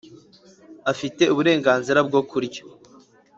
afite uburenganzira bwo kurya